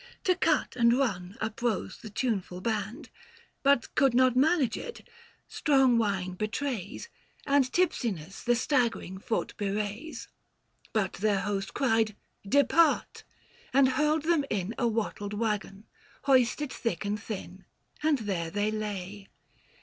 To cut and run uprose the tuneful band, Book VI. THE FASTI. 203 But could not manage it; strong wine betrays, And tipsiness, the staggering foot bewrays. 820 But their host cried, ' Depart,' and hurled them in A wattled waggon ; hoisted thick and thin ; And there they lay.